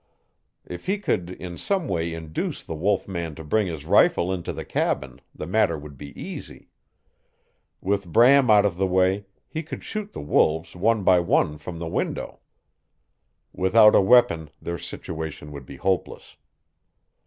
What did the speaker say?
If he could in some way induce the wolf man to bring his rifle into the cabin the matter would be easy. With Bram out of the way he could shoot the wolves one by one from the window. Without a weapon their situation would be hopeless.